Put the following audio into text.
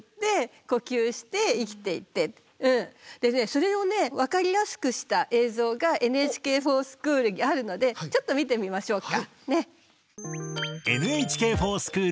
でねそれをねわかりやすくした映像がＮＨＫｆｏｒＳｃｈｏｏｌにあるのでちょっと見てみましょうか。